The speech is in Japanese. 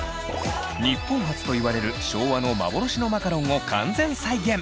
日本初といわれる昭和の幻のマカロンを完全再現！